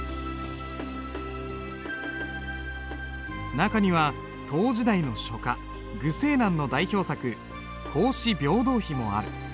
中には唐時代の書家虞世南の代表作「孔子廟堂碑」もある。